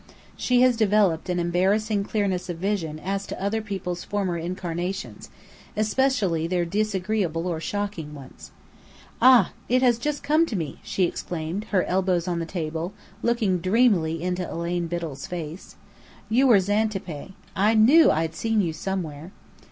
She has developed an embarrassing clearness of vision as to other people's former incarnations, especially their disagreeable or shocking ones. "Ah, it has just come to me!" she exclaimed, her elbows on the table, looking dreamily into Elaine Biddell's face. "You were Xantippe. I knew I'd seen you somewhere."